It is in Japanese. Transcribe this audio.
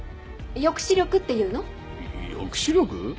抑止力っていうの。よ抑止力？